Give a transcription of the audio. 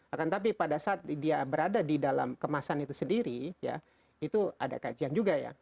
akan tapi pada saat dia berada di dalam kemasan itu sendiri ya itu ada kajian juga ya